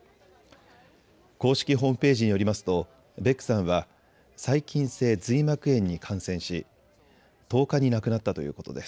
公式ホームページによりますとベックさんは細菌性髄膜炎に感染し、１０日に亡くなったということです。